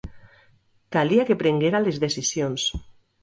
Calia que prenguera les decisions.